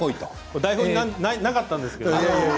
台本になかったんですけど。